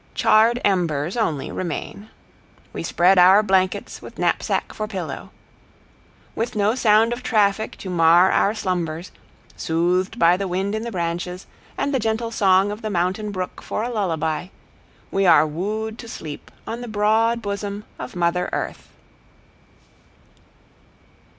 Charred embers only remain. We spread our blankets with knapsack for pillow. With no sound of traffic to mar our slumbers, soothed by the wind in the branches, and the gentle song of the mountain brook for a lullaby, we are wooed to sleep on the broad bosom of Mother Earth.